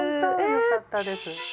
よかったです。